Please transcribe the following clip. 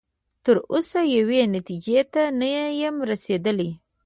تر اوسه یوې نتیجې ته نه یم رسیدلی.